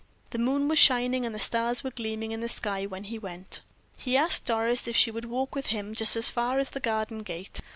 The moon was shining, and the stars were gleaming in the sky when he went. He asked Doris if she would walk with him just as far as the garden gate.